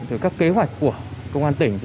và các kế hoạch của công an tỉnh